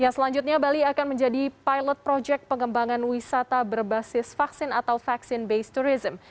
selanjutnya bali akan menjadi pilot project pengembangan wisata berbasis vaksin atau vaksin based tourism